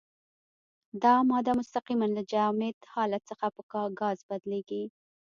دا ماده مستقیماً له جامد حالت څخه په ګاز بدلیږي.